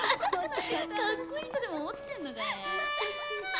かっこいいとでも思ってんのかね。